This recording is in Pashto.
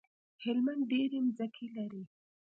هلمند ډيری مځکی لری